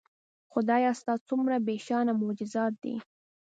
خدایه ستا څومره بېشانه معجزات دي